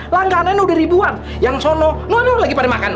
langganan udah ribuan yang solo lagi pada makan